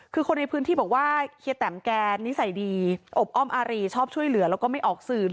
คือคนในพื้นที่บอกว่าเฮียแตมแกนิสัยดีอบอ้อมอารีชอบช่วยเหลือแล้วก็ไม่ออกสื่อ